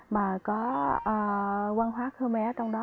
mà có văn hóa khmer trong đó